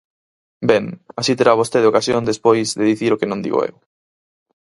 Ben, así terá vostede ocasión despois de dicir o que non digo eu.